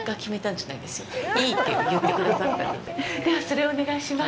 じゃあ、それをお願いします。